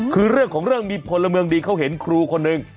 คือเรื่องของเรื่องมีพลเมืองดีเขาเห็นครูคนหนึ่ง